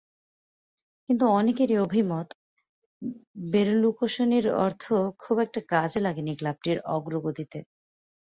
কিন্তু অনেকেরই অভিমত, বেরলুসকোনির অর্থ খুব একটা কাজে লাগেনি ক্লাবটির অগ্রগতিতে।